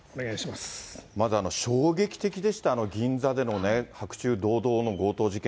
まず衝撃的でした、あの銀座での白昼堂々の強盗事件。